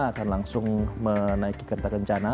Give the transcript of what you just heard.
akan langsung menaiki kerta kencana